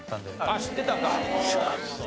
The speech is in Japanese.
あっ知ってたか。